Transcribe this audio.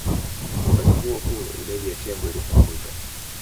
Wakati huo huo idadi ya tembo ilipunguzwa